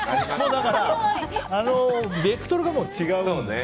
だから、もうベクトルが違う。